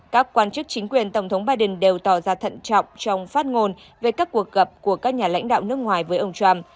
các quan chức chính quyền tổng thống biden đều tỏ ra thận trọng trong phát ngôn về các cuộc gặp của các nhà lãnh đạo nước ngoài với ông trump